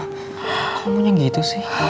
kamunya gitu sih